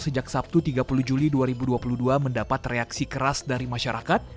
sejak sabtu tiga puluh juli dua ribu dua puluh dua mendapat reaksi keras dari masyarakat